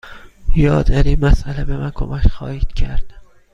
یا در این مسأله به من کمک خواهید کرد؟